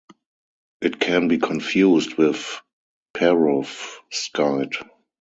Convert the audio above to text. It can be confused with perovskite.